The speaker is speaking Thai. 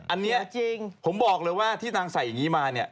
อันนี้ผมบอกเลยว่าที่นางใส่อย่างนี้มาเนี่ย